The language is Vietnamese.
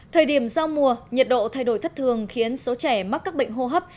thời điểm giao mùa nhiệt độ thay đổi thất thường khiến số trẻ mắc các bệnh hô hấp